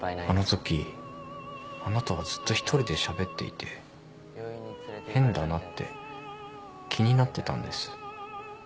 あのときあなたはずっと１人でしゃべっていて変だなって気になってたんです。